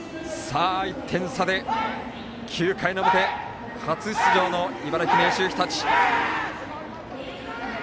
１点差で９回の表初出場の茨城、明秀日立。